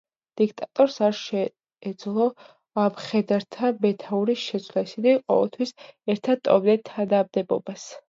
დიქტატორს არ შეეძლო მხედართა მეთაურის შეცვლა, ისინი ყოველთვის ერთად ტოვებდნენ თანამდებობას.